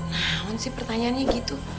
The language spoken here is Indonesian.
nahon sih pertanyaannya gitu